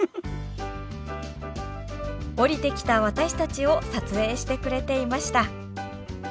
降りてきた私たちを撮影してくれていました。